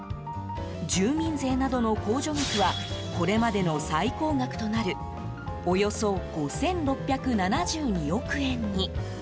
住民税などの控除額はこれまでの最高額となるおよそ５６７２億円に。